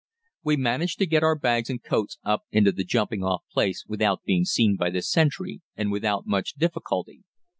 We managed to get our bags and coats up into the jumping off place without being seen by the sentry and without much difficulty.